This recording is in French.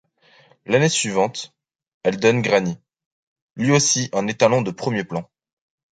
L'année suivante, elle donne Granit, lui aussi un étalon de premier plan.